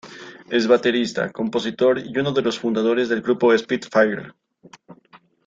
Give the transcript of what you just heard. Es baterista, compositor y uno de los fundadores del grupo Spitfire.